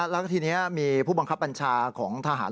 แล้วก็ทีนี้มีผู้บังคับบัญชาของทหาร